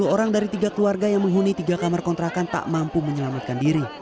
sepuluh orang dari tiga keluarga yang menghuni tiga kamar kontrakan tak mampu menyelamatkan diri